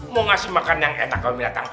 mau ngasih makan yang etak kalau binatang